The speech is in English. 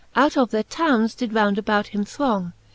Out of their townes did round about him throng.